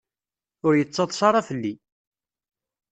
Ur yettaḍsa ara fell-i.